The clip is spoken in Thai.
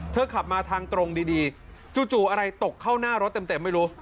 ขับมาทางตรงดีจู่อะไรตกเข้าหน้ารถเต็มไม่รู้